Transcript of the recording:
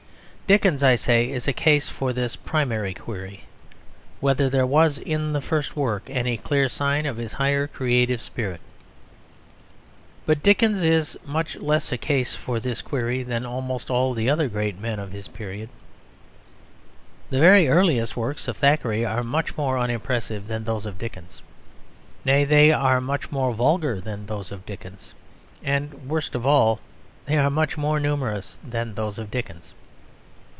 Dickens, I say, is a case for this primary query: whether there was in the first work any clear sign of his higher creative spirit. But Dickens is much less a case for this query than almost all the other great men of his period. The very earliest works of Thackeray are much more unimpressive than those of Dickens. Nay, they are much more vulgar than those of Dickens. And worst of all, they are much more numerous than those of Dickens.